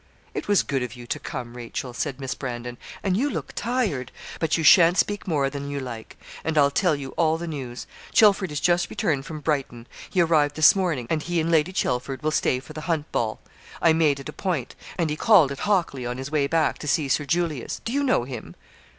'It was good of you to come, Rachel,' said Miss Brandon; 'and you look tired; but you sha'n't speak more than you like; and I'll tell you all the news. Chelford is just returned from Brighton; he arrived this morning; and he and Lady Chelford will stay for the Hunt Ball. I made it a point. And he called at Hockley, on his way back, to see Sir Julius. Do you know him?'